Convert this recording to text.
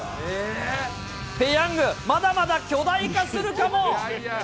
ペヤング、まだまだ巨大化するかも。